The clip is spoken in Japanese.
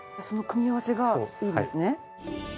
その組み合わせがいいんですね。